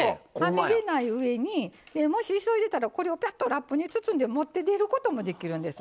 はみ出ないうえにもし急いでたらこれをぴゃっとラップに包んで持って出ることもできるんです。